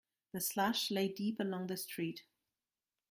The slush lay deep along the street.